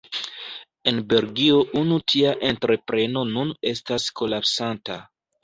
En Belgio unu tia entrepreno nun estas kolapsanta.